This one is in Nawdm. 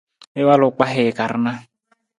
I walu kpahii ka rana.